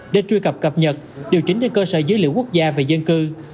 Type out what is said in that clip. để truy cập cập nhật điều chỉnh lên cơ sở dữ liệu quốc gia và dân cư